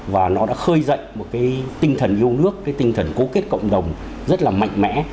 và nó đã khơi dậy một cái tinh thần yêu nước cái tinh thần cố kết cộng đồng rất là mạnh mẽ